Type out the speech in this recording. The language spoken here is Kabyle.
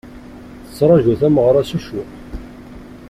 Tettraǧu tameɣra-s s ccuq.